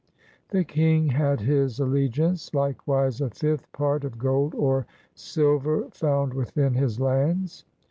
The King had his alle giance, likewise a fifth part of gold or silver found within his lands.